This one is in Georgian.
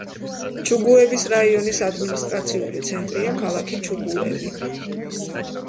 ჩუგუევის რაიონის ადმინისტრაციული ცენტრია ქალაქი ჩუგუევი.